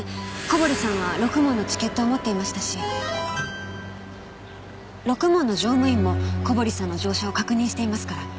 小堀さんはろくもんのチケットを持っていましたしろくもんの乗務員も小堀さんの乗車を確認していますから。